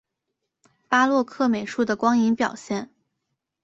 巴洛克美术的光影表现